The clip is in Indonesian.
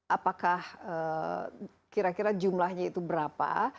apakah kira kira jumlahnya itu berapa